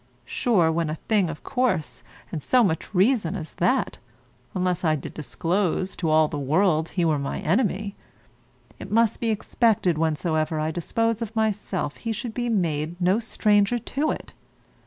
Sure, when a thing of course and so much reason as that (unless I did disclose to all the world he were my enemy), it must be expected whensoever I dispose of myself he should be made no stranger to it.